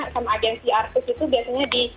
sama agensi artis itu biasanya di